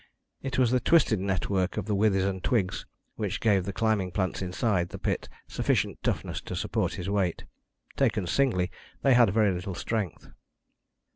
It was the twisted network of the withes and twigs which gave the climbing plants inside the pit sufficient toughness to support his weight. Taken singly, they had very little strength.